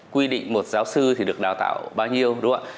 quy định một giáo sư thì được đào tạo bao nhiêu đúng không ạ